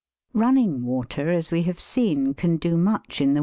UNNING water, as we have seen, can do much in the T\.